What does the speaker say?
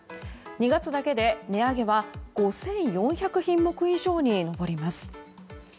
２月だけで値上げは５４００品目以上に上ります。